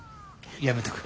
やめとく。